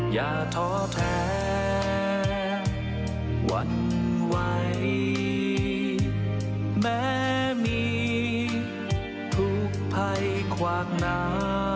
อย่าท้อแท้หวั่นไหวแม้มีถูกภัยขวางหนา